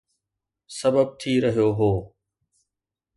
سبب ٿي رهيو هو